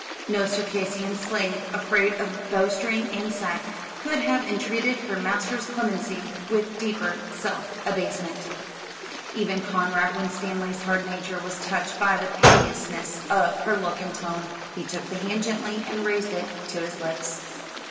No Circassian slave, afraid of bowstring and sack, could have entreated her master's clemency with deeper self abasement. Even Conrad Winstanley's hard nature was touched by the piteousness of her look and tone. He took the hand gently and raised it to his lips.